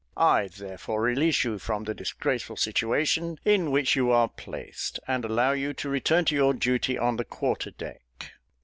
I therefore release you from the disgraceful situation in which you are placed, and allow you to return to your duty on the quarter deck."